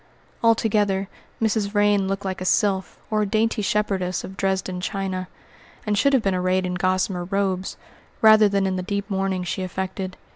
Altogether, Mrs. Vrain looked like a sylph or a dainty shepherdess of Dresden china, and should have been arrayed in gossamer robes, rather than in the deep mourning she affected.